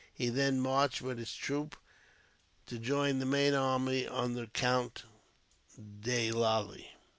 He then marched, with his troops, to join the main army under Count de Lally.